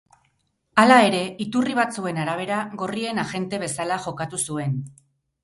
Hala ere, iturri batzuen arabera gorrien agente bezala jokatu zuen.